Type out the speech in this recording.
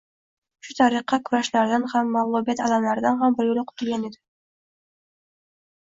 Shu tariqa, kurashlardan ham, mag‘lubiyat alamlaridan ham biryo‘la qutilgan edi.